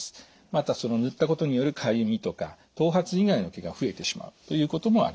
また塗ったことによるかゆみとか頭髪以外の毛が増えてしまうということもあります。